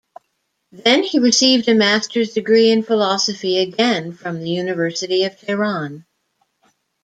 Then he received a master's degree in philosophy again from the University of Tehran.